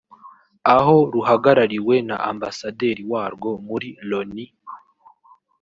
aho ruhagarariwe na Ambasaderi warwo muri Loni